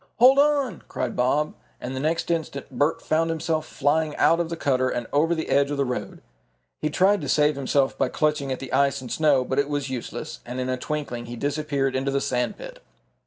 "Hold on!" cried Bob, and the next instant Bert found himself flying out of the cutter and over the edge of the road. He tried to save himself by clutching at the ice and snow, but it was useless, and in a twinkling he disappeared into the sand pit!